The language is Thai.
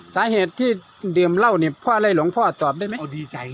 สาเหตุที่เดียมเล่าเนี่ยพ่อเลยหลวงพ่อจอบได้ไหม